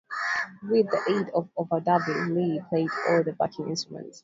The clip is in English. With the aid of overdubbing Lee played all of the backing instruments.